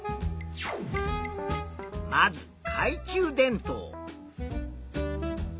まずかい中電灯。